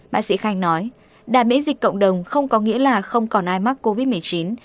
bác sĩ khanh nói đà miễn dịch cộng đồng không có nghĩa là không còn ai mắc covid một mươi chín